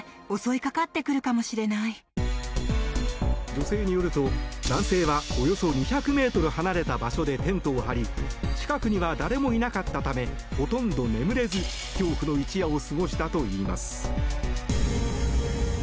女性によると、男性はおよそ２００ｍ離れた場所でテントを張り近くには誰もいなかったためほとんど眠れず恐怖の一夜を過ごしたといいます。